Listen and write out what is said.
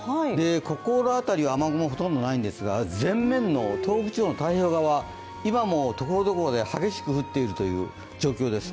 ここのあたり、雨雲はほとんどないんですが前面の東北地方の太平洋側、今もところどころで激しく降っているという状況です。